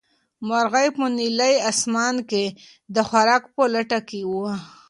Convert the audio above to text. مرغۍ په نیلي اسمان کې د خوراک په لټه کې وه.